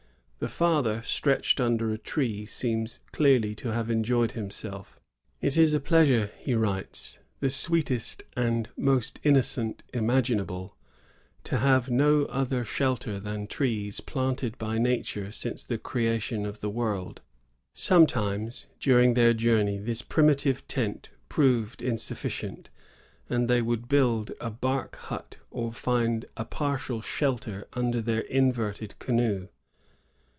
The father, stretched under a tree, seems clearly to have enjoyed himself. ^ It is a pleasure," he writes, ^*the sweetest and most innocent imaginable, to have no other shelter than trees planted by Nature since the creation of the world." Sometimes, during their journey, this primitive tent proved insuJBScient, and they would build a bark hut or find a partial shelter under their inverted canoe.